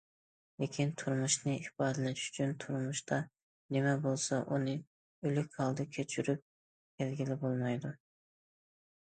لېكىن تۇرمۇشنى ئىپادىلەش ئۈچۈن، تۇرمۇشتا نېمە بولسا، ئۇنى ئۆلۈك ھالدا كۆچۈرۈپ كەلگىلى بولمايدۇ.